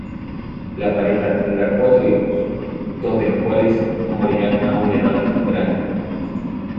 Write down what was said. La pareja tendrá cuatro hijos, dos de los cuales morirán a una edad temprana.